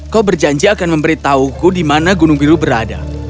kau berjanji akan memberitahuku di mana gunung biru berada